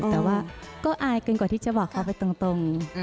แต่ว่าก็อายเกินกว่าที่จะบอกเขาไปตรง